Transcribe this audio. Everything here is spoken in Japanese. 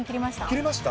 切りました？